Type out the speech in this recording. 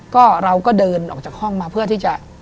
ก็เราก็เดินออกจากห้องมาเพื่อที่จะ